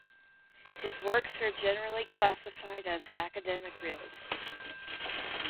His works are generally classified as Academic Realism.